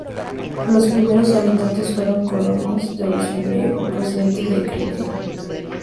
Los primeros habitantes fueron colonos de origen griego, procedentes de Crimea.